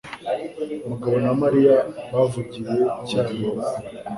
Mugabo na Mariya bavugiye icyarimwe.